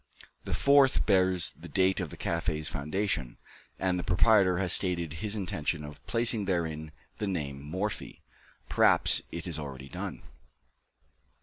The fourth bears the date of the café's foundation, and the proprietor has stated his intention of placing therein the name MORPHY. Perhaps it is already done.